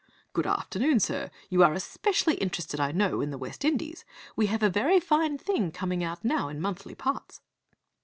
'Good afternoon, sir. You are specially interested, I know, in the West Indies. We have a very fine thing coming out now in monthly parts